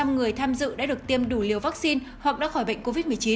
một mươi người tham dự đã được tiêm đủ liều vaccine hoặc đã khỏi bệnh covid một mươi chín